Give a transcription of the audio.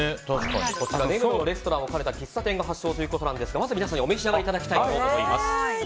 根室のレストランを兼ねた喫茶店が発祥ということなんですがまずは皆さんにお召し上がりいただきたいと思います。